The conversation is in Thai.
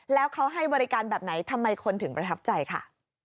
แล้วเขาให้บริการแบบไหนทำไมคนถึงประทับใจค่ะ